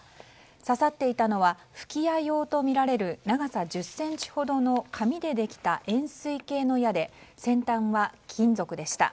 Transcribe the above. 刺さっていたのは吹き矢用とみられる長さ１０ｃｍほどの紙でできた円錐形の矢で先端は金属でした。